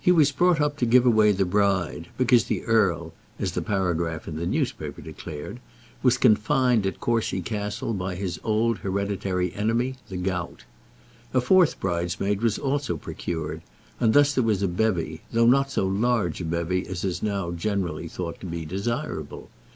He was brought up to give away the bride, because the earl, as the paragraph in the newspaper declared, was confined at Courcy Castle by his old hereditary enemy, the gout. A fourth bridesmaid also was procured, and thus there was a bevy, though not so large a bevy as is now generally thought to be desirable.